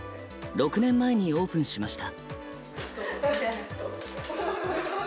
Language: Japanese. ６年前にオープンしました。